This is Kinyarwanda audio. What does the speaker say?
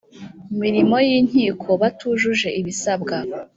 mirimo y inkiko batujuje ibisabwa